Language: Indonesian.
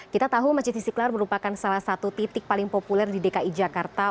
kita tahu masjid istiqlal merupakan salah satu titik paling populer di dki jakarta